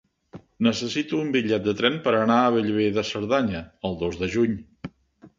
Necessito un bitllet de tren per anar a Bellver de Cerdanya el dos de juny.